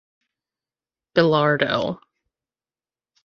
Bilardo.